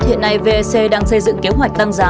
hiện nay vec đang xây dựng kế hoạch tăng giá